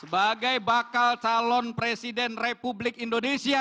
sebagai bakal calon presiden republik indonesia